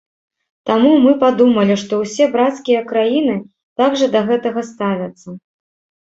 Таму мы падумалі, што ўсе брацкія краіны так жа да гэтага ставяцца.